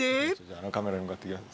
あのカメラに向かっていきます。